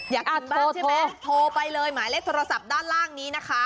อยากกินบ้างใช่ไหมโทรไปเลยหมายเลขโทรศัพท์ด้านล่างนี้นะคะ